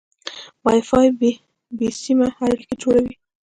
وای فای بې سیمه اړیکه جوړوي.